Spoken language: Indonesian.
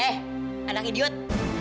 eh anak idiot